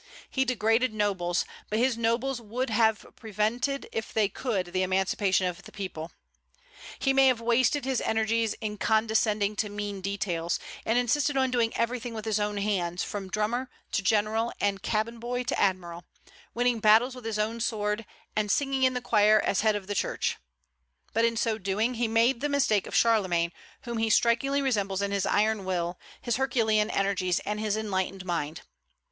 He degraded nobles; but his nobles would have prevented if they could the emancipation of the people. He may have wasted his energies in condescending to mean details, and insisting on doing everything with his own hands, from drummer to general, and cabin boy to admiral, winning battles with his own sword, and singing in the choir as head of the Church; but in so doing he made the mistake of Charlemagne, whom he strikingly resembles in his iron will, his herculean energies, and his enlightened mind.